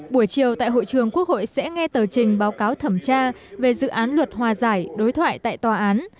buổi chiều tại hội trường quốc hội sẽ nghe tờ trình báo cáo thẩm tra về dự án luật hòa giải đối thoại tại tòa án